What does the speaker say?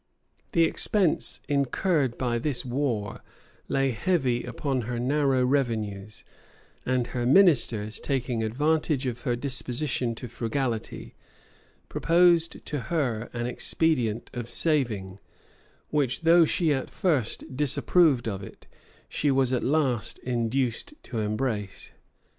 The expense incurred by this war lay heavy upon her narrow revenues; and her ministers, taking advantage of her disposition to frugality, proposed to her an expedient of saving, which, though she at first disapproved of it, she was at last induced to embrace.